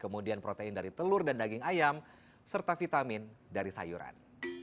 kemudian protein dari telur dan daging ayam serta vitamin dari sayuran